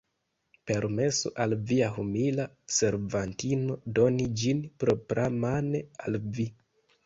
Permesu al via humila servantino doni ĝin propramane al vi.